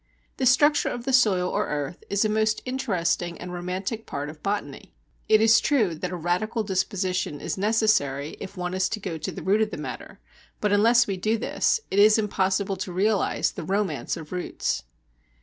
The structure of the soil or earth is a most interesting and romantic part of botany. It is true that a "radical" disposition is necessary if one is to go to the root of the matter, but, unless we do this, it is impossible to realize the romance of roots.